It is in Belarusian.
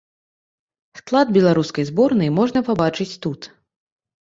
Склад беларускай зборнай можна пабачыць тут.